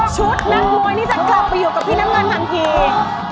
ชุดนักมวยนี้จะกลับไปกับพี่นักเงินทันที